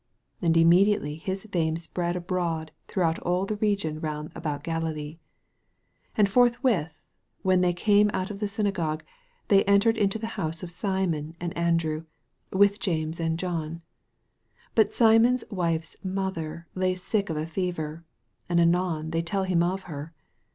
28 And immediately his fame spread abroad throughout all the region round about Galilee. 29 And forthwith, when they were come out of the synagogue, they en tered into the house of Simon and Andrew, with James and John. 30 But Simon's wife's mother lay sick of a fever, and anon they tell him of her.